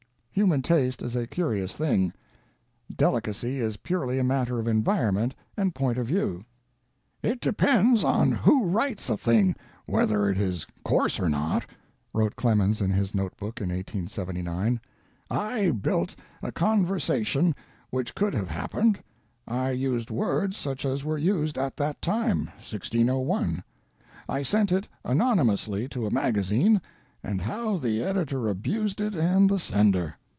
Human taste is a curious thing; delicacy is purely a matter of environment and point of view." "It depends on who writes a thing whether it is coarse or not," wrote Clemens in his notebook in 1879. "I built a conversation which could have happened I used words such as were used at that time 1601. I sent it anonymously to a magazine, and how the editor abused it and the sender!"